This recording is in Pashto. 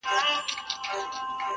و دې محفل ته سوخه شنگه پېغلچکه راځي_